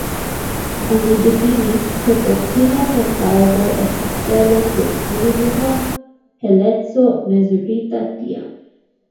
Oni difinis, ke Proksima Centaŭro estas stelo kun minimuma heleco mezurita tiam.